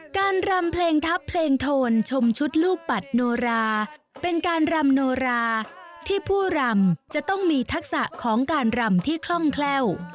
รำเพลงทัพเพลงโทนชมชุดลูกปัดโนราเป็นการรำโนราที่ผู้รำจะต้องมีทักษะของการรำที่คล่องแคล่ว